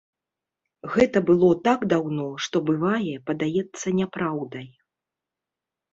Гэта было так даўно, што, бывае, падаецца няпраўдай.